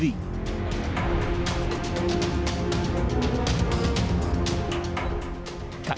kepala kepala kepala